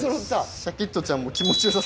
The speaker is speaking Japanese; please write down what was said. シャキットちゃんも気持ちよさそう。